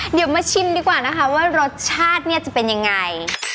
เดี๋ยวมาชิมดีกว่านะคะว่ารสชาติเนี่ยจะเป็นยังไง